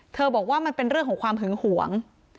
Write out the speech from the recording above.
บอกว่ามันเป็นเรื่องของความหึงหวง